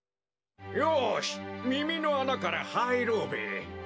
よしみみのあなからはいろうべ。